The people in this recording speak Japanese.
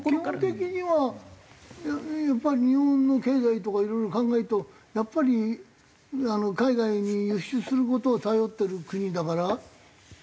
基本的にはやっぱり日本の経済とかいろいろ考えるとやっぱり海外に輸出する事に頼ってる国だから。